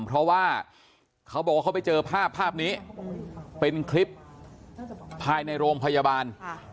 เพราะว่าเขาบอกว่าเขาไปเจอภาพภาพนี้เป็นคลิปภายในโรงพยาบาล